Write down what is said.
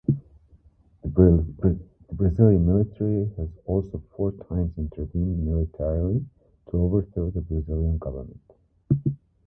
The Brazilian military has also four times intervened militarily to overthrow the Brazilian government.